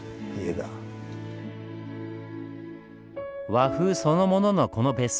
和風そのもののこの別荘。